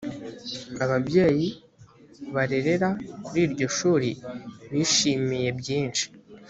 ababyeyi barerera kuri iryo shuri bishimiye byinshi